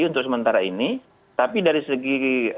jadi dari segi elektabilitas secara personal erick tohir itu kalah dari sandi